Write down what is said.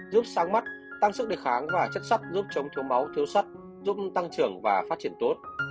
giúp sáng mắt tăng sức đề kháng và chất sắt giúp chống thiếu máu thiếu sắt giúp tăng trưởng và phát triển tốt